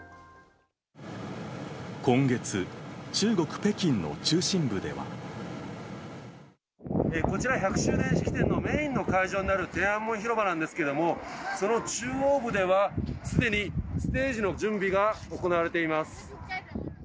今月、中国・北京の中心部でこちら、１００周年式典のメインの会場になる天安門広場なんですけれども、その中央部では、すでにステージの準備が行われています。